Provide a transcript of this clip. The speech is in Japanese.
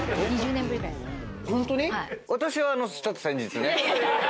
ホントに⁉私はちょっと先日ね。